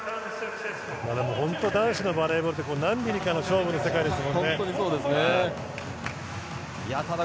男子のバレーボールって何ミリかの勝負の世界ですね。